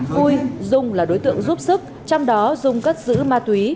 vui dung là đối tượng giúp sức trong đó dùng cất giữ ma túy